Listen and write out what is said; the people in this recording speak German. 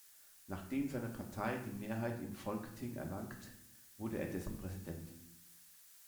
Nachdem seine Partei die Mehrheit im Folketing erlangt, wurde er dessen Präsident.